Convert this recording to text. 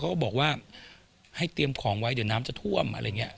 ก็บอกว่าให้เตรียมของไว้เดี๋ยวน้ำจะท่วมอะไรอย่างนี้